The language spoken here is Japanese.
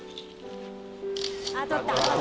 あっ撮った。